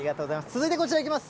続いてこちらいきます。